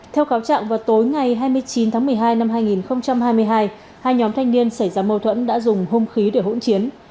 theo cáo trạng vào tối ngày hai mươi chín tháng một mươi hai năm hai nghìn hai mươi hai hai nhóm thanh niên xảy ra mâu thuẫn đã dùng hung khí để hỗn chiến